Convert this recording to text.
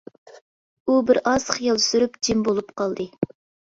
ئۇ بىر ئاز خىيال سۈرۈپ جىم بولۇپ قالدى.